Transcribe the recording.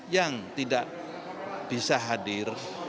yang tidak bisa hadir